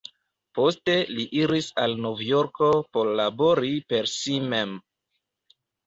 Poste li iris al Novjorko por labori per si mem.